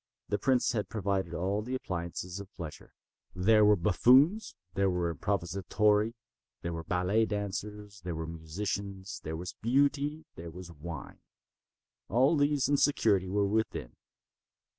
The prince had provided all the appliances of pleasure. There were buffoons, there were improvisatori, there were ballet dancers, there were musicians, there was Beauty, there was wine. All these and security were within.